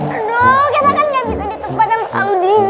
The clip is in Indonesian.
aduh kita kan nggak bisa ditempatkan sama dingin